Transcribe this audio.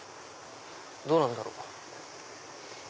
どうなんだろう？